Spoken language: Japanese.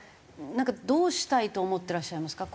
なんかどうしたいと思ってらっしゃいますか？